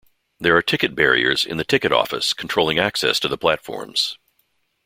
There are ticket barriers in the ticket office controlling access to the platforms.